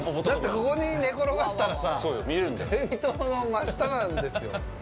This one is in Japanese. ここに寝転がったらさテレビ塔の真下なんですよ。